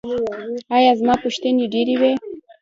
ایا زما پوښتنې ډیرې وې؟